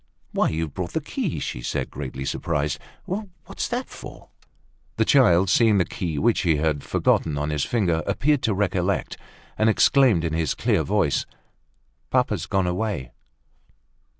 "Why, you've brought the key!" she said, greatly surprised. "What's that for?" The child, seeing the key which he had forgotten on his finger, appeared to recollect, and exclaimed in his clear voice: "Papa's gone away."